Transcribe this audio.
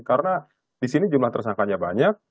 karena di sini jumlah tersangkanya banyak